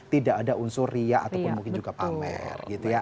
tidak ada unsur riak ataupun mungkin juga pamer